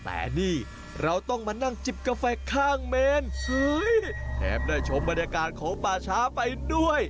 แต่นี่เราต้องมานั่งจิบกาแฟข้างเมนแถมได้ชมบรรยากาศของป่าช้าไปด้วย